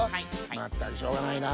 まったくしょうがないな。